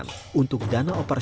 paut giri kumara